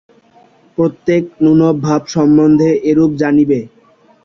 প্রত্যেক নূতন ভাব সম্বন্ধে এইরূপ জানিবে।